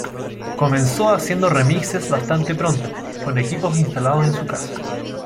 Comenzó haciendo remixes bastante pronto, con equipos instalados en su casa.